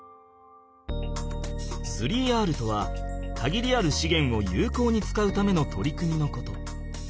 ３Ｒとはかぎりあるしげんをゆうこうに使うための取り組みのこと。